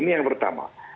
ini yang pertama